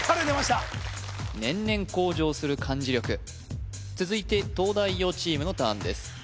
出ました年々向上する漢字力続いて東大王チームのターンです